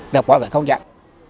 được mọi người công nhận